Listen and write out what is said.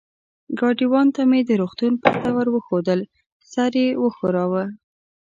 ګاډیوان ته مې د روغتون پته ور وښوول، سر یې و ښوراوه.